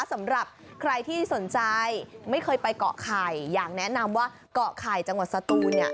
สำหรับใครที่สนใจไม่เคยไปเกาะไข่อยากแนะนำว่าเกาะไข่จังหวัดสตูนเนี่ย